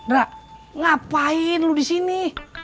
rak ngapain lo disini